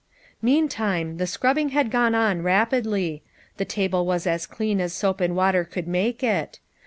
Meantime, the scrubbing had gone on rapidly ; the table was as clean as soap and water could make it.